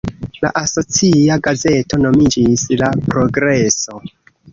La asocia gazeto nomiĝis "La Progreso".